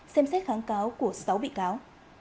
xem xét kháng cáo của sáu bị cáo